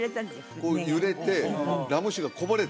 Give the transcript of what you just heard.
船がこう揺れてラム酒がこぼれて？